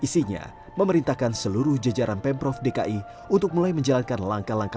isinya memerintahkan seluruh jajaran pemprov dki untuk mulai menjalankan langkah langkah